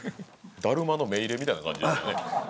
だるまの目入れみたいな感じですかね。